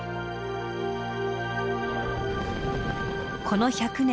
この１００年